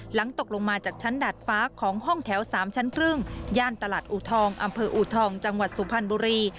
ตกลงมาจากชั้นดาดฟ้าของห้องแถว๓ชั้นครึ่งย่านตลาดอูทองอำเภออูทองจังหวัดสุพรรณบุรี